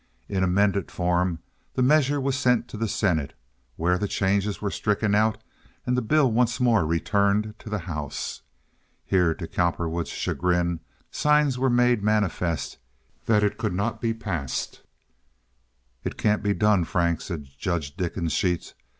In amended form the measure was sent to the senate, where the changes were stricken out and the bill once more returned to the house. Here, to Cowperwood's chagrin, signs were made manifest that it could not be passed. "It can't be done, Frank," said Judge Dickensheets.